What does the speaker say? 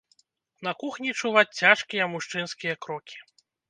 На кухні чуваць цяжкія мужчынскія крокі.